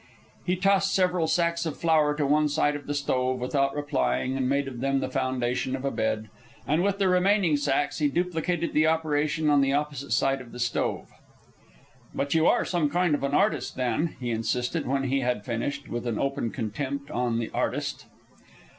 He tossed several sacks of flour to one side of the stove, without replying, and made of them the foundation of a bed; and with the remaining sacks he duplicated the operation on the opposite side of the stove. "But you are some kind of an artist, then," he insisted when he had finished, with an open contempt on the "artist."